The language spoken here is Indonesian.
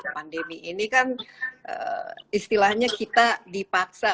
pandemi ini kan istilahnya kita dipaksa